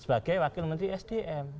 sebagai wakil menteri sdm